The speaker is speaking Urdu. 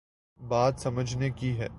بات سمجھنے کی ہے۔